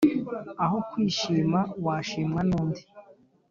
aho kwishima washimwa n’undi